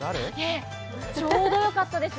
ちょうどよかったです。